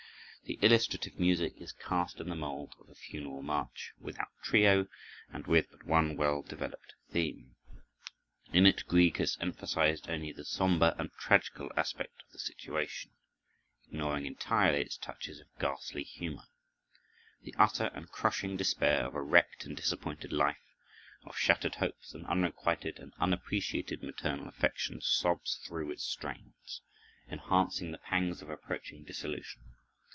The illustrative music is cast in the mold of a "funeral march," without trio and with but one well developed theme. In it Grieg has emphasized only the somber and tragical aspect of the situation, ignoring entirely its touches of ghastly humor. The utter and crushing despair of a wrecked and disappointed life, of shattered hopes and unrequited and unappreciated maternal affection, sobs through its strains, enhancing the pangs of approaching dissolution.